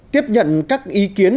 tiếp nhận các ý kiến